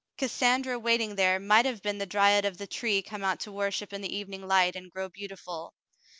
Cassandra waiting there might have been the dryad of the tree come out to worship in the evening light and grow beautiful.